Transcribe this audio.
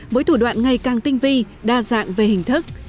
với thủ đoạn ngày càng tinh vi đa dạng về hình thức